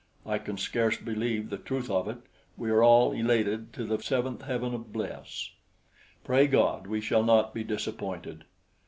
I can scarce believe the truth of it. We are all elated to the seventh heaven of bliss. Pray God we shall not be disappointed.